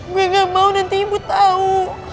gue gak mau nanti ibu tahu